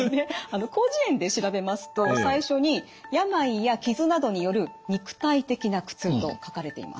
「広辞苑」で調べますと最初に「肉体的な苦痛」と書かれています。